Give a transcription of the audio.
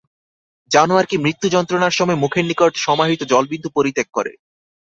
জানোয়ার কি মৃত্যুযন্ত্রণার সময় মুখের নিকট সমাহৃত জলবিন্দু পরিত্যাগ করে।